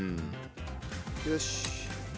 よし。